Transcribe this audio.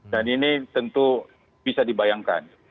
dan ini tentu bisa dibayangkan